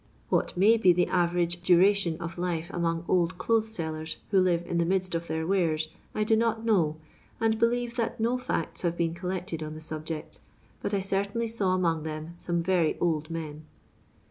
What may be the average duration of life among old clothes sellers who live in the midst of their wares, I do not know, and believe that no facts have been col lected on the subject ; but I certainly saw among them some very old men.